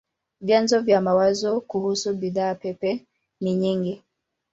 Vyanzo vya mawazo kuhusu bidhaa pepe ni nyingi.